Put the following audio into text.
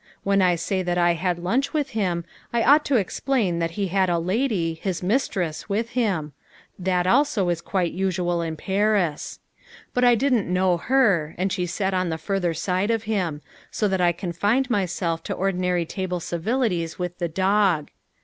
When I say that I had lunch with him, I ought to explain that he had a lady, his mistress, with him, that also is quite usual in Paris. But I didn't know her, and she sat on the further side of him, so that I confined myself to ordinary table civilities with the dog.